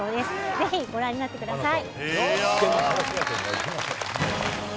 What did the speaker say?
ぜひご覧になってください。